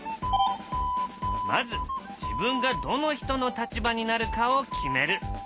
まず自分がどの人の立場になるかを決める。